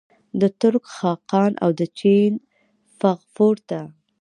د ترک خاقان او د چین فغفور ته.